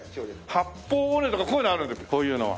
八方尾根とかこういうのあるこういうのは。